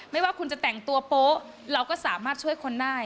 ไม่ว่าคุณจะแต่งตัวโป๊ะเราก็สามารถช่วยคนได้